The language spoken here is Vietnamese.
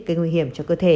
cây nguy hiểm cho cơ thể